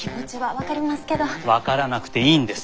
分からなくていいんです。